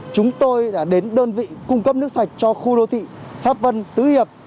chúng tôi đã đến đơn vị cung cấp nước sạch cho khu đô thị pháp vân tứ hiệp